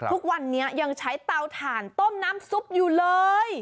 ทุกวันนี้ยังใช้เตาถ่านต้มน้ำซุปอยู่เลย